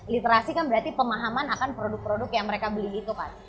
literasi kan berarti pemahaman akan produk produk yang mereka beli itu kan